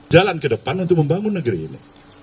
jalan ke depan untuk membangun negeri ini